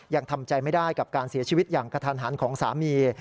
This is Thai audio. ยังทำใจไม่ได้กับการเสียชีวิตอย่างกระทันหันของสามี